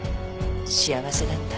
幸せだった。